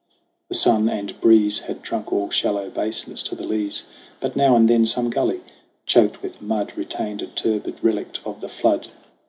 The sun and breeze Had drunk all shallow basins to the lees, But now and then some gully, choked with mud, Retained a turbid relict of the flood.